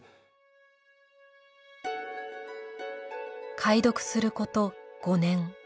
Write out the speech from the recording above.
解読すること５年。